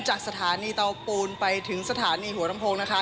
จากสถานีเตาปูนไปถึงสถานีหัวลำโพงนะคะ